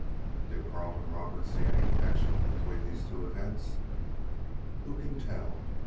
Did Carleton Roberts see any connection between these two events? Who can tell?